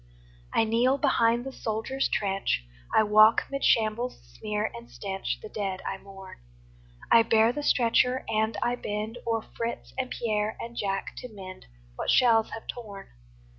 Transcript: I kneel behind the soldier's trench, I walk 'mid shambles' smear and stench, The dead I mourn; I bear the stretcher and I bend O'er Fritz and Pierre and Jack to mend What shells have torn.